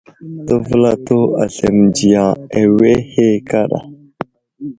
Təvəlato di aslam mənziya awehe kaɗa.